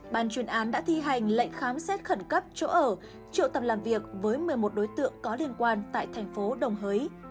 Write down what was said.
ban chuyên án đã thi hành lệnh khám xét khẩn cấp chỗ ở triệu tầm làm việc với một mươi một đối tượng có liên quan tại thành phố đồng hới